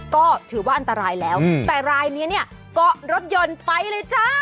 ก็ถือว่าอันตรายแล้วแต่รายนี้เนี่ยเกาะรถยนต์ไปเลยจ้า